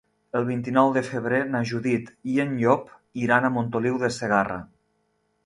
El vint-i-nou de febrer na Judit i en Llop iran a Montoliu de Segarra.